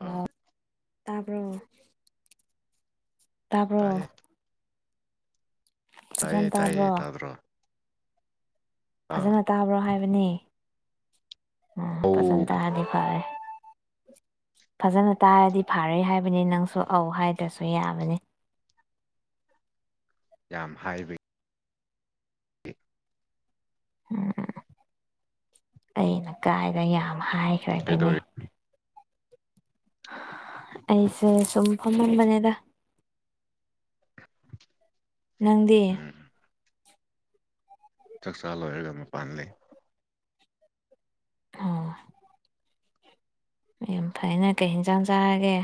ꯑꯥ ꯇꯥꯕ꯭ꯔꯣ ꯇꯥꯕ꯭ꯔꯣ ꯇꯥꯏꯌꯦ ꯇꯥꯏꯌꯦ ꯇꯥꯏꯌꯦ ꯇꯥꯕ꯭ꯔꯣ ꯐꯖꯅ ꯇꯥꯕ꯭ꯔꯣ ꯍꯥꯏꯕꯅꯤ ꯎ ꯐꯖꯅ ꯑꯧ ꯇꯥꯔꯗꯤ ꯐꯔꯦ ꯐꯖꯅ ꯇꯥꯔꯗꯤ ꯐꯥꯔꯦ ꯍꯥꯏꯕꯅꯤ ꯅꯪꯁꯨ ꯑꯧ ꯍꯥꯏꯗ꯭ꯔꯁꯨ ꯌꯥꯕꯅꯤ ꯌꯥꯝ ꯍꯥꯏꯕꯩ ꯎꯝ ꯑꯩꯅ ꯀꯥꯏꯗ ꯌꯥꯝ ꯍꯥꯏꯈ꯭ꯔꯒꯅꯦ ꯀꯩꯗꯧꯔꯤ ꯑꯩꯁꯦ ꯁꯨꯝ ꯐꯝꯃꯝꯕꯅꯦꯗ ꯅꯪꯗꯤ ꯎꯝ ꯆꯥꯛꯆꯥꯥ ꯂꯣꯏꯔꯒ ꯃꯄꯥꯟꯗ ꯂꯩ ꯑꯣ ꯌꯥꯝ ꯐꯩꯅ ꯀꯩ ꯌꯦꯟꯁꯥꯡ ꯆꯥꯔꯒꯦ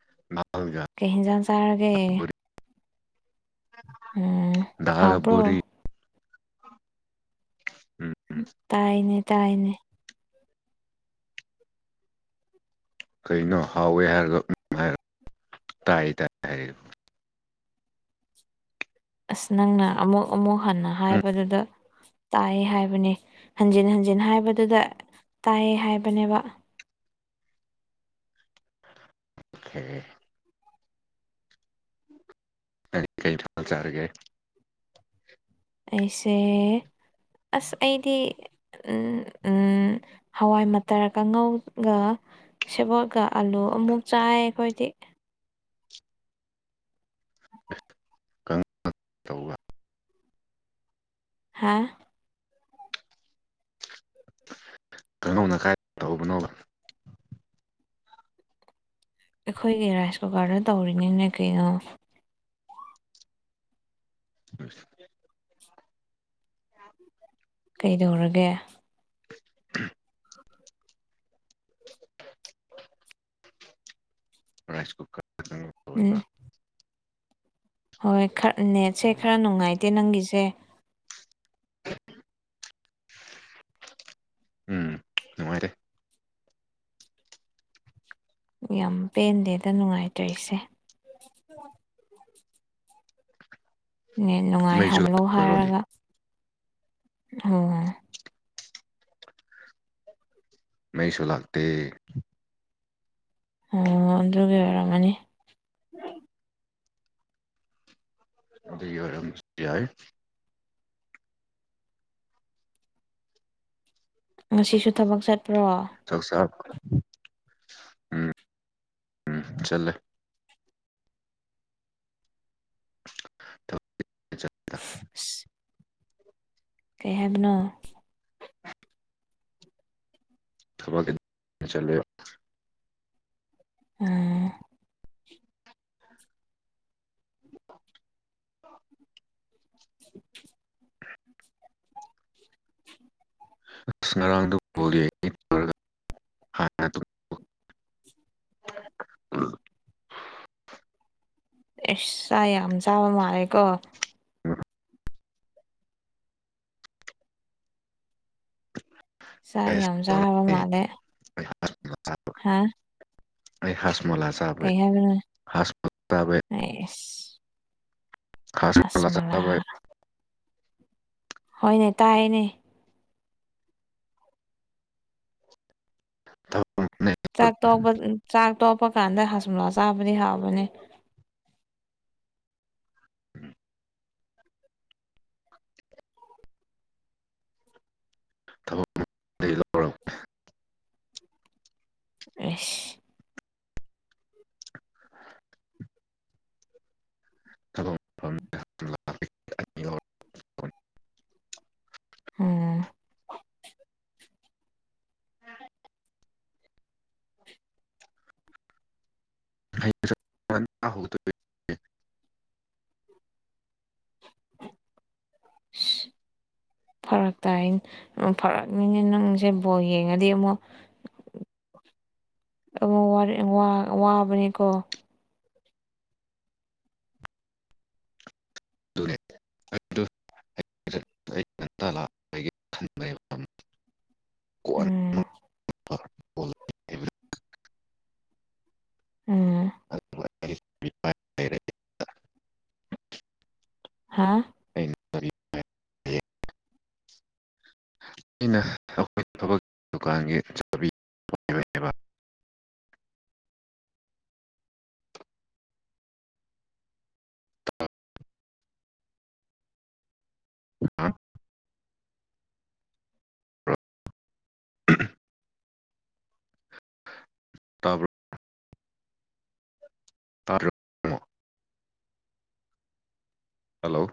[unintelligible] ꯀꯩ ꯍꯦꯟꯖꯥꯡ ꯆꯥꯔꯒꯦ ꯕꯣꯔꯤ ꯑꯣ ꯗꯥꯜꯒ ꯕꯣꯔꯤ ꯎꯝ ꯎꯝ ꯇꯥꯏꯅꯦ ꯇꯥꯏꯅꯦ ꯀꯩꯅꯣ ꯍꯥꯎꯋ ꯍꯥꯏꯔꯒ ꯇꯥꯏ ꯇꯥꯏ ꯍꯥꯏꯔꯤꯕ ꯑꯁ ꯅꯪꯅ ꯑꯃꯨꯛ ꯑꯃꯨꯛ ꯍꯟꯅ ꯎꯝ ꯍꯥꯏꯕꯗꯨꯗ ꯇꯥꯏꯑ ꯍꯥꯏꯕꯅꯦ ꯍꯟꯖꯤꯟ ꯍꯟꯖꯤꯟ ꯍꯥꯏꯕꯗꯨꯗ ꯇꯥꯏꯌꯦ ꯍꯥꯏꯕꯅꯦꯕ ꯑꯣ [unintelligible] [inaudible] ꯀ ꯀꯔꯤ ꯊꯥꯆꯔꯒꯦ ꯑꯩꯁꯦ ꯑꯁ ꯑꯩꯗꯤ ꯎ ꯍꯋꯥꯏ ꯃꯇꯔ ꯀꯥꯡꯉꯧꯒ ꯁꯦꯕꯣꯠꯒ ꯑꯥꯂꯨ ꯑꯃꯨꯛ ꯆꯥꯏ ꯑꯩꯈꯣꯏꯗꯤ ꯀ ꯇꯧ [unintelligible] [inaudible] ꯍꯥꯥ [unintelligible] [inaudible] ꯀꯩꯅꯗꯧꯅ ꯀꯥꯏ ꯇꯎꯕꯅꯣꯕ ꯑꯩꯈꯣꯏꯒꯤ ꯔꯥꯏꯁ ꯀꯨꯀꯔꯗ ꯇꯧꯔꯤꯅꯤꯅꯦ ꯀꯩꯅꯣ ꯑꯁ [unintelligible] [inaudible] ꯀꯩꯗꯧꯔꯒꯦ ꯔꯥꯏꯁ ꯀꯨꯀꯔ ꯀꯥꯡꯉꯧ ꯇꯧꯔꯤꯕ ꯎꯝ [unintelligible] [inaudible] ꯍꯣꯏ ꯈꯔ ꯅꯦꯠꯁꯦ ꯈꯔ ꯅꯨꯡꯉꯥꯏꯇꯦ ꯅꯪꯒꯤꯁꯦ ꯎꯝ ꯅꯨꯡꯉꯥꯏꯇꯦ ꯌꯥꯝ ꯄꯦꯟꯗꯦꯗ ꯅꯨꯡꯉꯥꯏꯇꯣꯏꯁꯦ [unintelligible] [inaudible] ꯅ ꯃꯩꯁꯨ ꯅꯨꯡꯉꯥꯏꯍꯜꯂꯣ ꯑꯩꯈꯣꯏꯔꯣꯝꯗꯤ ꯍꯥꯏꯔꯒ ꯑꯣ ꯃꯁꯨ ꯂꯥꯛꯇ ꯑꯣ ꯑꯗꯨꯒꯤ ꯑꯣꯏꯔꯝꯃꯅꯤ ꯑꯗꯨꯔ ꯌꯥꯏ ꯉꯁꯤꯁꯨ ꯊꯕꯛ ꯆꯠꯄ꯭ꯔꯣ ꯆ ꯁꯥ ꯎꯝ ꯎꯝ ꯆꯂꯦ ꯆ [unintelligible] [inaudible] ꯑꯁ ꯀꯩ ꯍꯥꯏꯕꯅꯣ [unintelligible] [inaudible] ꯊ ꯆꯂꯦ [unintelligible] [inaudible] ꯎꯝ [unintelligible] [inaudible] [unintelligible] [inaudible] ꯑꯁ ꯉꯔꯥꯡꯗ ꯍꯥꯟꯅ ꯑꯦꯁ ꯑꯥ ꯌꯥꯝ ꯆꯥꯕ ꯃꯥꯜꯂꯦ ꯀꯣ ꯆꯥꯛ ꯌꯥꯝ ꯆꯥꯕ ꯃꯥꯜꯂꯦ ꯍꯥ ꯑꯩ ꯍꯥꯁꯃꯣꯂ ꯆꯩ ꯍꯖꯃꯣ ꯑꯦ [unintelligible] [inaudible] ꯈꯥꯁꯂ ꯇꯕꯥ ꯍꯣꯏꯅꯦ ꯇꯥꯏꯅꯦ ꯆꯥꯛ ꯇ ꯆꯥꯛ ꯇꯣꯛꯄ ꯀꯥꯟꯗ ꯍꯁꯨꯝꯂꯥ ꯆꯥꯕꯗꯤ ꯍꯥꯎꯕꯅꯦ ꯂꯩ ꯂꯧꯔꯛꯦ ꯑꯁ ꯎꯝ ꯍꯧꯏ ꯐꯔꯛꯇ ꯍꯥꯏ ꯐꯔꯛꯅꯤꯉ ꯅꯪꯁꯦ ꯕꯣꯜ ꯌꯦꯡꯉꯗꯤ ꯑꯃꯨꯛ ꯋꯥꯕꯅꯦꯀꯣ [unintelligible] ꯎꯝ ꯎꯝ ꯥꯏ ꯍꯥꯥ ꯑꯩꯅ ꯑꯩꯈꯣꯏ ꯊꯕꯛꯀꯤ ꯗꯨꯀꯥꯟꯒꯤ ꯆꯥꯕꯤ ꯇꯥꯕ ꯇꯔꯨꯛ ꯍꯜꯂꯣ